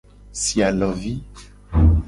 Si alovi.